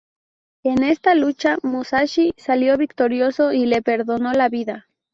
En esta lucha Musashi salió victorioso y le perdonó la vida.